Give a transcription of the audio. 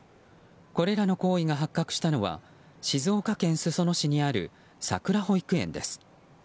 これらの行為が発覚したのは静岡県裾野市にあるさくら保育園です。